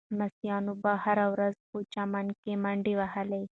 لمسیانو به هره ورځ په چمن کې منډې وهلې.